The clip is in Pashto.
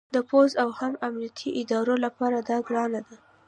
د پوځ او هم امنیتي ادارو لپاره دا ګرانه ده